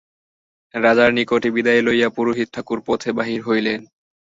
রাজার নিকটে বিদায় লইয়া পুরোহিত ঠাকুর পথে বাহির হইলেন।